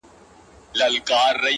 په رقيب چي مي اختر دي-